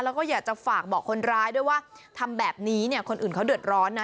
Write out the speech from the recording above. แล้วก็อยากจะฝากบอกคนร้ายด้วยว่าทำแบบนี้เนี่ยคนอื่นเขาเดือดร้อนนะ